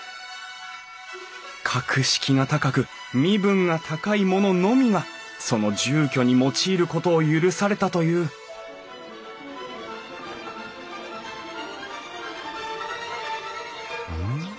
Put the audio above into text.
格式が高く身分が高い者のみがその住居に用いることを許されたといううん？